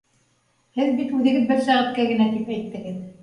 — Һеҙ бит үҙегеҙ бер сәғәткә генә тип әйттегеҙ.